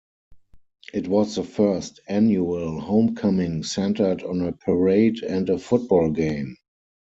It was the first annual homecoming centered on a parade and a football game.